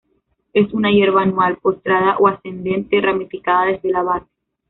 Es una hierba anual, postrada o ascendente, ramificada desde la base.